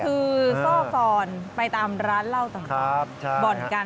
คือซ่อฟอนไปตามร้านเหล้าต่อมา